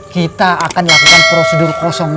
kita akan lakukan prosedur enam